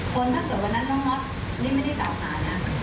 ถ้าเกิดวันนั้นน้องน็อตนี่ไม่ได้กล่าวหานะ